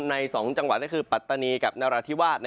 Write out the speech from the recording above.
ในสองจังหวัดนี่คือปัตตะนีแก่นุราธิวาต